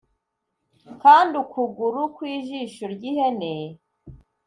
kandi ukuguru kw'ijisho ry'ihene. '